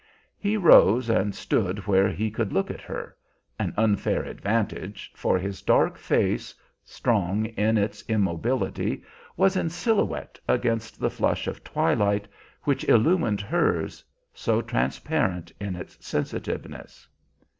He rose, and stood where he could look at her, an unfair advantage, for his dark face, strong in its immobility, was in silhouette against the flush of twilight which illumined hers, so transparent in its sensitiveness.